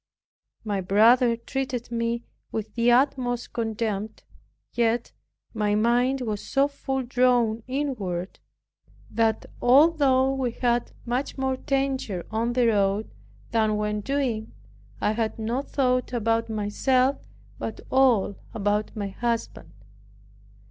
My brother treated me with the utmost contempt. Yet, my mind was so fully drawn inward, that although we had much more danger on the road than when going, I had no thought about myself, but all about my husband.